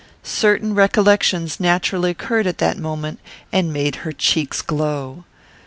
Certain recollections naturally occurred at that moment, and made her cheeks glow.